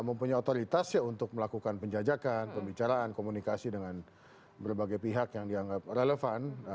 mempunyai otoritas ya untuk melakukan penjajakan pembicaraan komunikasi dengan berbagai pihak yang dianggap relevan